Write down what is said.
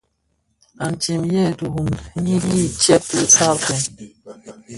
Antseyèn dirun nyi ki tsee dhi saaten.